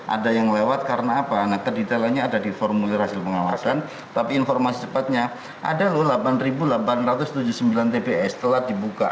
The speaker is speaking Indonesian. ada yang lewat karena apa nah kedetailannya ada di formulir hasil pengawasan tapi informasi cepatnya ada loh delapan delapan ratus tujuh puluh sembilan tps telah dibuka